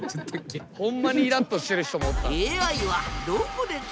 ホンマにイラッとしてる人も。